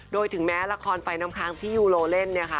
โดยถึงแม้ละครไฟน้ำคล้างที่ยูโรเล่น